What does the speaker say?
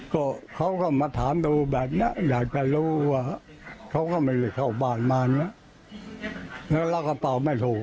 ก็เขาก็มาถามดูแบบนี้อยากจะรู้ว่าเขาก็ไม่ได้เข้าบ้านมาเนี่ยแล้วกระเป๋าไม่โทร